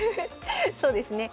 そうですね。